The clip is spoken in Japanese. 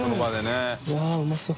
うわぁうまそう。